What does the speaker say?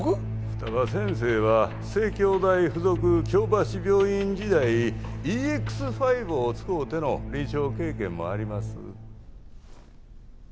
双葉先生は西京大付属京橋病院時代ＥＸ‐５を使うての臨床経験もあります。